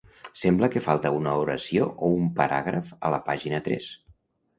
Sembla que falta una oració o un paràgraf a la pàgina tres.